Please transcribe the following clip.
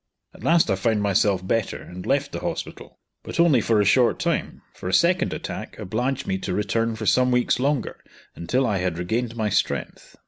At last I found myself better, and left the Hospital; but only for a short time, for a second attack obliged me to return for some weeks longer, until I had regained my strength.